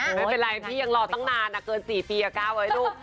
โหไม่เป็นไรพี่หล่อตั้งนานอะเกินสี่ปีอะเก้าเฮ้ยลูก